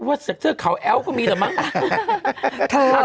ว่าเสื้อเขาแอ๊วก็มีแหละมั้ง